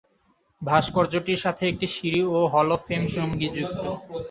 ভাস্কর্যটির সাথে একটি সিঁড়ি ও "হল অব ফেম" সঙ্গিযুক্ত।